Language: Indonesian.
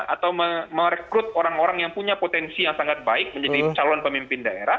atau merekrut orang orang yang punya potensi yang sangat baik menjadi calon pemimpin daerah